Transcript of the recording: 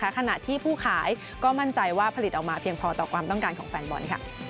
ขณะที่ผู้ขายก็มั่นใจว่าผลิตออกมาเพียงพอต่อความต้องการของแฟนบอล